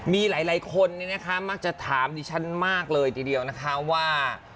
มีหลายคนมักจะถามดิฉันมากเลยทีเดียวนะคะว่า